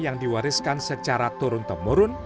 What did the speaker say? yang diwariskan secara turun temurun